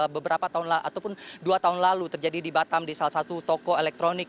beberapa tahun ataupun dua tahun lalu terjadi di batam di salah satu toko elektronik